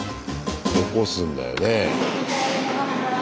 起こすんだよね。